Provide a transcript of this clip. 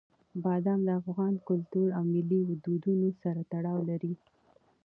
بادام د افغان کلتور او ملي دودونو سره تړاو لري.